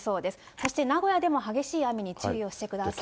そして名古屋でも激しい雨に注意をしてください。